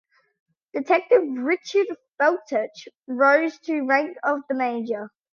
Detective Richard Fahlteich rose to the rank of Major.